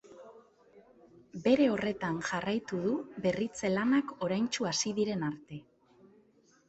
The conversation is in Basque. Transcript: Bere horretan jarraitu du berritze-lanak oraintsu hasi diren arte.